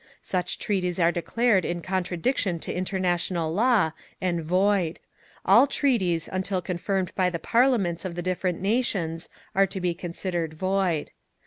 Such treaties are declared in contradiction to international law, and void. All treaties, until confirmed by the parliaments of the different nations, are to be considered void.